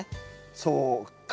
そうか。